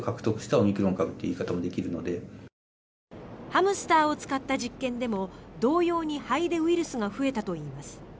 ハムスターを使った実験でも同様に肺でウイルスが増えたといいます。